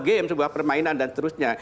game sebuah permainan dan seterusnya